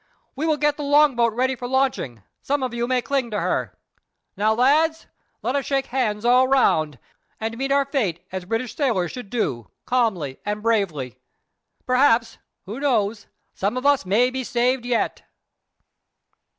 We will get the long boat ready for launching: some of you may cling to her. Now, lads, let us shake hands all round, and meet our fate as British sailors should do—calmly and bravely. Perhaps—who knows?—some of us may be saved yet."